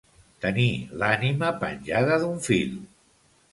Tenir l'ànima penjada d'un fil.